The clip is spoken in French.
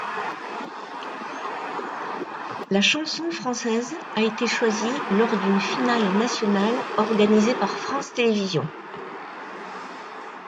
La chanson française a été choisie lors d'une finale nationale organisée par France Télévisions.